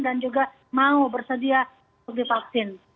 dan juga mau bersedia untuk divaksin